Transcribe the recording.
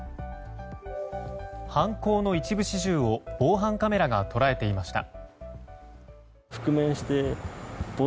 犯行の一部始終を防犯カメラが捉えていました。